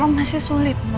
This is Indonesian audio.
tapi masih sulit mak